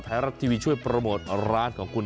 ไทยรัฐทีวีช่วยโปรโมทร้านของคุณ